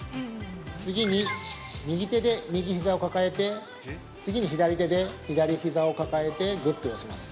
次に、右手で右ひざを抱えて次に、左手で左ひざを抱えてぐっと寄せます。